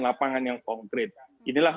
lapangan yang konkret inilah